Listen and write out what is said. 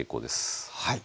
はい。